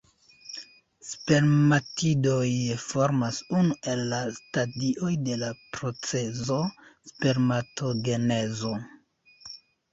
Spermatidoj formas unu el la stadioj de la procezo spermatogenezo.